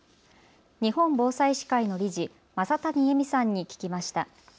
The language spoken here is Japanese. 日本防災士会の理事、正谷絵美さんに聞きました。